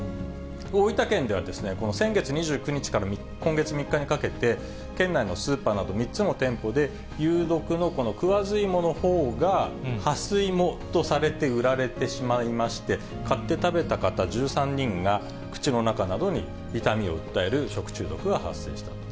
大分県では先月２９日から今月３日にかけて、県内のスーパーなど、３つの店舗で、有毒のこのクワズイモのほうが、ハスイモとされて売られてしまいまして、買って食べた方１３人が、口の中などに痛みを訴える食中毒が発生したと。